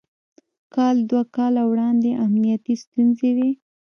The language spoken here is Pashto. کال دوه کاله وړاندې امنيتي ستونزې وې.